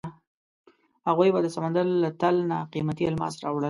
هغوی به د سمندر له تل نه قیمتي الماس راوړل.